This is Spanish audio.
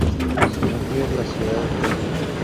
Su núcleo es la ciudad de Tunja.